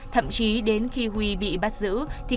thậm chí đến khi huy bị bắt giữ